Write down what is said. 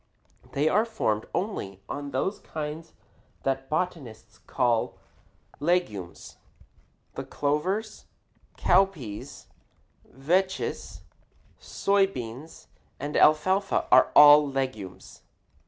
They are formed only on those kinds that botanists call legumes. The clovers, cowpeas, vetches, soy beans, and alfalfa are all legumes.